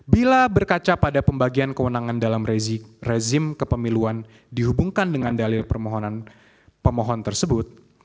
bila berkaca pada pembagian kewenangan dalam rezim kepemiluan dihubungkan dengan dalil permohonan pemohon tersebut